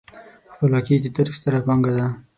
خپلواکي د تاریخ ستره پانګه ده.